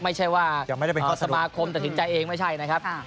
ไม่ใช่ว่าสมาคมตัดสินใจเองไม่ใช่นะครับ